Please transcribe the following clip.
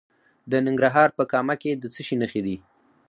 د ننګرهار په کامه کې د څه شي نښې دي؟